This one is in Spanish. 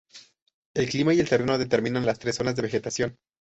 El clima y el terreno determinan las tres zonas de vegetación.